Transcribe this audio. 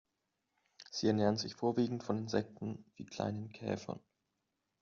Sie ernähren sich vorwiegend von Insekten wie kleinen Käfern.